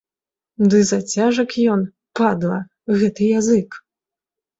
Ды зацяжак ён, падла, гэты язык.